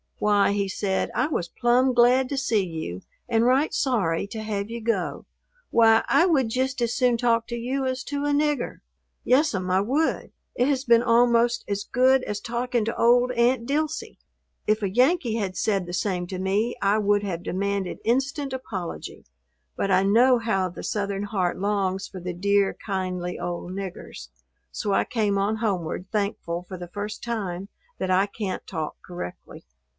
"Why," he said, "I was plumb glad to see you and right sorry to have you go. Why, I would jist as soon talk to you as to a nigger. Yes'm, I would. It has been almost as good as talking to old Aunt Dilsey." If a Yankee had said the same to me I would have demanded instant apology, but I know how the Southern heart longs for the dear, kindly old "niggers," so I came on homeward, thankful for the first time that I can't talk correctly.